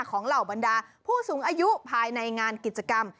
เหล่าบรรดาผู้สูงอายุภายในงานกิจกรรม